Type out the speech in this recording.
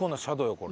これ。